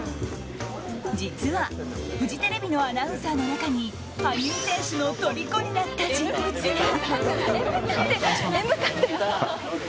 実は、フジテレビのアナウンサーの中に羽生選手のとりこになった人物が。